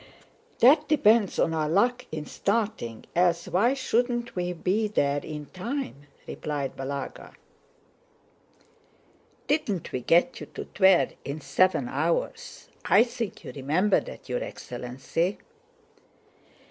"That depends on our luck in starting, else why shouldn't we be there in time?" replied Balagá. "Didn't we get you to Tver in seven hours? I think you remember that, your excellency?"